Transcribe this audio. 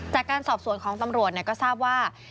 จากการสอบสวนของตำรวจก็ทราบว่า